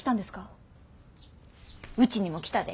ウチにも来たで。